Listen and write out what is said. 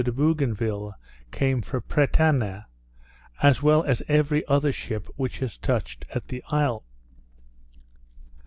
de Bougainville came from Pretane, as well as every other ship which has touched at the isle.